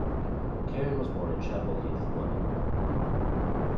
Karen was born in Chadwell Heath, London.